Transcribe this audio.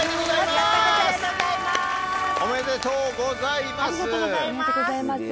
おめでとうございます。